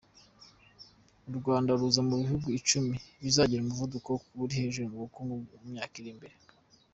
U Rwanda ruza mu bihugu icumi bizagira umuvuduko uri hejuru mu bukungu mumyaka irimbere